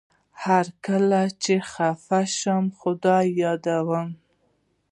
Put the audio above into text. هر کله چي خپه شم خدای يادوم